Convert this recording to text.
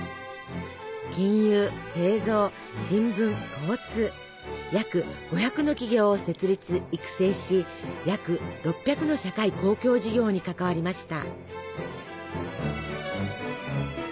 金融製造新聞交通約５００の企業を設立育成し約６００の社会公共事業に関わりました。